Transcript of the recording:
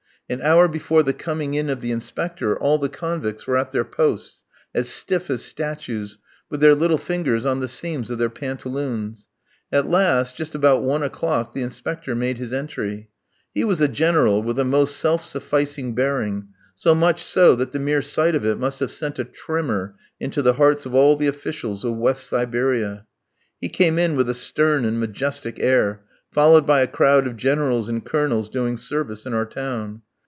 An hour before the coming in of the Inspector, all the convicts were at their posts, as stiff as statues, with their little fingers on the seams of their pantaloons. At last, just about one o'clock the Inspector made his entry. He was a General, with a most self sufficing bearing, so much so, that the mere sight of it must have sent a tremor into the hearts of all the officials of West Siberia. He came in with a stern and majestic air, followed by a crowd of Generals and Colonels doing service in our town.